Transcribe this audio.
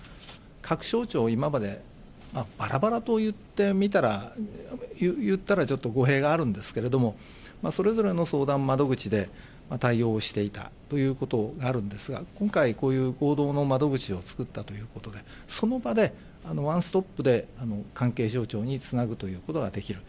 各省庁、今までばらばらと言ってみたら、言ったらちょっと語弊があるんですけれども、それぞれの相談窓口で対応をしていたということがあるんですが、今回、こういう合同の窓口を作ったということで、その場でワンストップで関係省庁につなぐということができる。